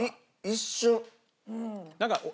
一瞬。